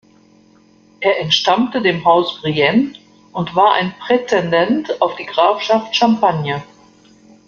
Er entstammte dem Haus Brienne und war ein Prätendent auf die Grafschaft Champagne.